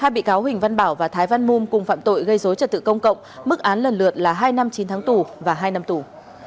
hai bị cáo huỳnh văn bảo và thái văn mum cùng phạm tội gây dối trật tự công cộng mức án lần lượt là hai năm chín tháng tù và hai năm tù